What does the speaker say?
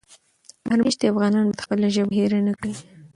بهر مېشتي افغانان باید خپله ژبه هېره نه کړي.